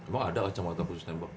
emang ada kacamata khusus nembak